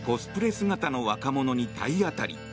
姿の若者に体当たり。